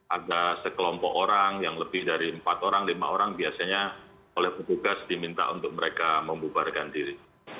ada sekelompok orang yang lebih dari empat orang lima orang biasanya oleh petugas diminta untuk mereka membubarkan diri